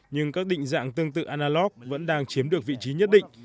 nhưng các định dạng tương tự analog vẫn đang chiếm được vị trí nhất định